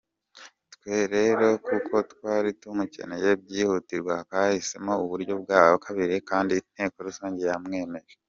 Twe rero kuko twari tumukeneye byihutirwa twahisemo uburyo bwa kabiri kandi inteko rusange yamwemeje.